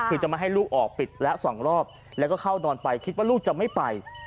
คือจะมาให้ลูกออกปิดละสองรอบแล้วก็เข้านอนไปคิดว่าลูกจะไม่ไป